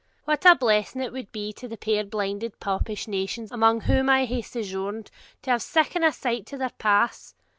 'What a blessing it would be to the puir blinded popish nations among whom I hae sojourned, to have siccan a light to their paths!